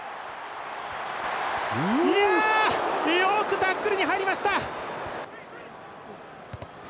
よくタックルに入りました。